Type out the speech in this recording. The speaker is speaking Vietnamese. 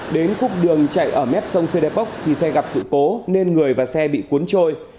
đến khúc đường chạy ở mép sông sê đê pốc khi xe gặp sự cố nên người và xe bị cuốn trôi